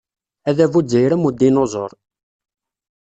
Adabu azzayri am udinuẓur.